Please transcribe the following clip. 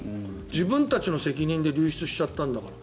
自分たちの責任で流出してしまったんだから。